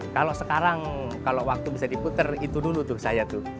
kalau sekarang kalau waktu bisa diputer itu dulu tuh saya tuh